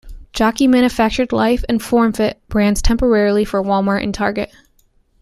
Jockey manufactured Life and Formfit brands temporarily for Wal-Mart and Target.